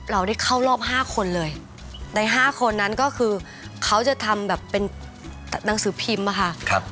เราได้เข้ารอบ๕คนเลยใน๕คนนั้นก็คือเขาจะทำแบบเป็นหนังสือพิมพ์อะค่ะ